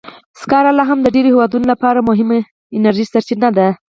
سکاره لا هم د ډېرو هېوادونو لپاره مهمه انرژي سرچینه ده.